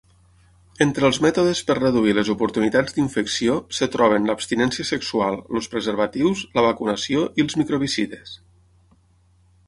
Entre els mètodes per reduir les oportunitats d"infecció es troben l"abstinència sexual, els preservatius, la vacunació i els microbicides.